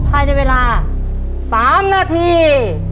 ภายในเวลา๓นาที